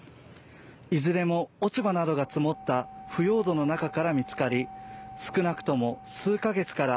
いずれも落ち葉などが積もった腐葉土の中から見つかり少なくとも数か月から